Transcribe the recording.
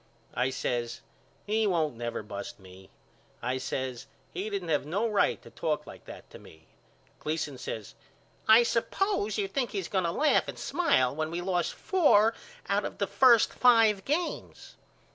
I says He won't never bust me. I says He didn't have no right to talk like that to me. Gleason says I suppose you think he's going to laugh and smile when we lost four out of the first five games.